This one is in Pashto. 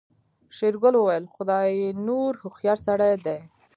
شېرګل وويل خداينور هوښيار سړی دی.